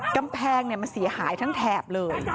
กำแพงมันเสียหายทั้งแถบเลย